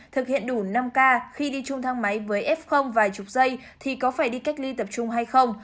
thực hiện đủ năm k khi đi chung thang máy với f vài chục giây thì có phải đi cách ly tập trung hay không